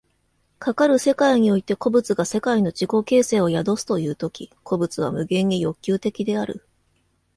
かかる世界において個物が世界の自己形成を宿すという時、個物は無限に欲求的である。